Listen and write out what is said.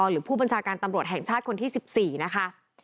หรือผู้บัญชาการตำรวจแห่งชาติคนที่๑๔นะคะ